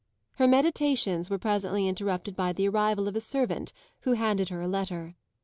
Her meditations were presently interrupted by the arrival of a servant who handed her a letter.